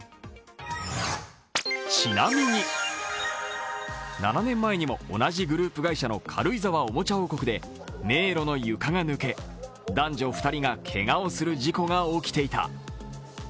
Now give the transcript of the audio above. ちなみに、７年前には同じグループ会社の軽井沢おもちゃ王国で迷路の床が抜け男女２人が、けがをする事故が起きていた。